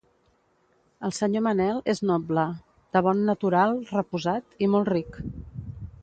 El senyor Manel és noble, de bon natural, reposat i molt ric.